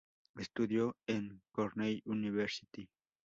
Estudió en Cornell University.